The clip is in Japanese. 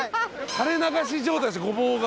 垂れ流し状態でしたごぼうが。